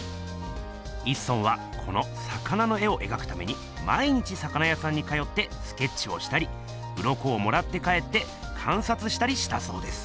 一村はこの魚の絵をえがくために毎日魚やさんに通ってスケッチをしたりウロコをもらって帰ってかんさつしたりしたそうです。